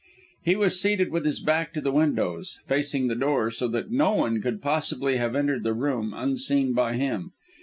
He was seated with his back to the windows, facing the door, so that no one could possibly have entered the room unseen by him.